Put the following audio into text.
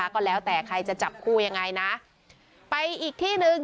ก็แล้วแต่ใครจะจับคู่ยังไงนะไปอีกที่หนึ่ง